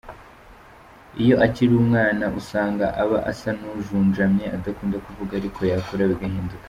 Iyo akiri umwana usanga aba asa n’ujunjamye adakunda kuvuga ariko yakura bigahinduka.